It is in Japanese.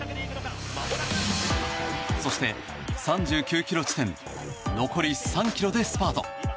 そして３９ｋｍ地点残り３ｋｍでスパート！